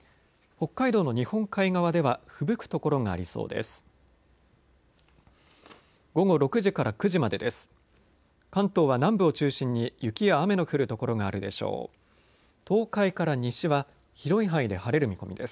北海道の日本海側ではふぶく所がありそうです。